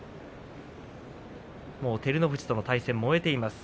もう照ノ富士との対戦終えています